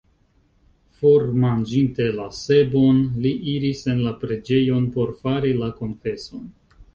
Formanĝinte la sebon, li iris en la preĝejon, por fari la konfeson.